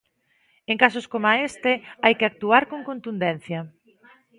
En casos como este hai que actuar con contundencia.